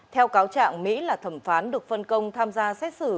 theo cáo trạng mỹ là thẩm phán được phân công tham gia xét xử